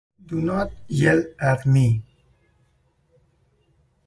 Do not yell at me!